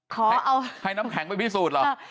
ขอให้น้ำแข็งไปพิสูจน์เหรอ